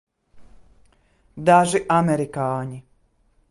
Daži amerikāņi.